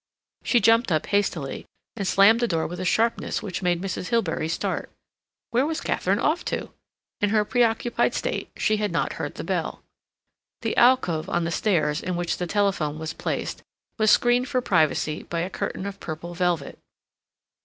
She jumped up hastily, and slammed the door with a sharpness which made Mrs. Hilbery start. Where was Katharine off to? In her preoccupied state she had not heard the bell. The alcove on the stairs, in which the telephone was placed, was screened for privacy by a curtain of purple velvet.